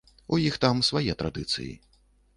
У іх там свае традыцыі.